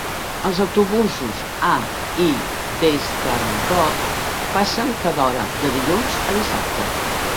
Els autobusos a i des d'Arncott passen cada hora de dilluns a dissabte.